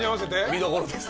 見どころです。